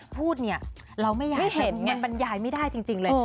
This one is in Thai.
พูดเนี่ยเราไม่เห็นมันบรรยายไม่ได้จริงเลย